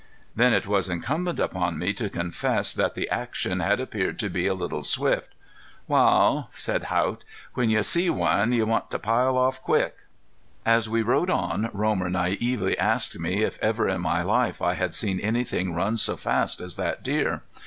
Then it was incumbent upon me to confess that the action had appeared to be a little swift. "Wal," said Haught, "when you see one you want to pile off quick." As we rode on Romer naively asked me if ever in my life I had seen anything run so fast as that deer.